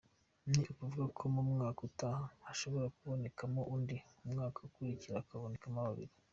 Ni ukuvuga ko mu mwaka utaha hashobora kubonekamo n’undi, umwaka ukurikiye hakabonekamo babiri.